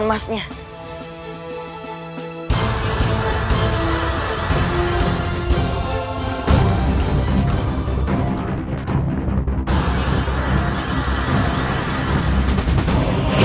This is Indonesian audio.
ada banyak denganiti